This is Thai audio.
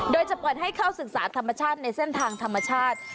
โดยจะเปิดให้เข้าศึกษาธรรมชาติในเส้นทางธรรมชาติ